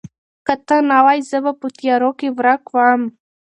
که ته نه وای، زه به په تیارو کې ورک وم.